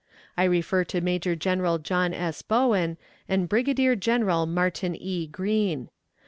I refer to Major General John S. Bowen and Brigadier General Martin E. Green.